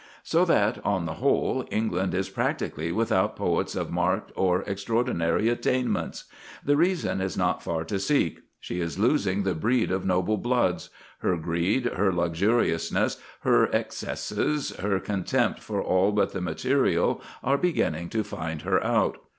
So that, on the whole, England is practically without poets of marked or extraordinary attainments. The reason is not far to seek. She is losing the breed of noble bloods; her greed, her luxuriousness, her excesses, her contempt for all but the material, are beginning to find her out.